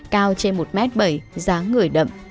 cao trên một năm m